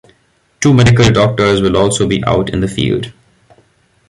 Two medical doctors will also be out in the field.